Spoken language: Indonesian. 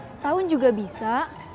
setahun juga bisa